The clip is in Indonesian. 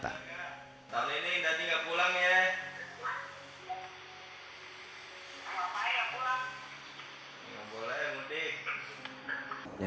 tahun ini dadi gak pulang ya